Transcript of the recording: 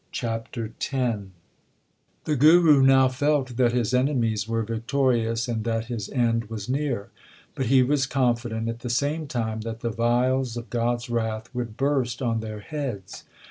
CHAPTER X The Guru now felt that his enemies were vic torious and that his end was near, but he was confi dent at the same time that the vials of God s wrath would burst on their heads.